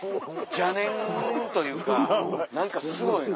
邪念というか何かすごいな。